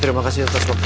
terima kasih atas waktu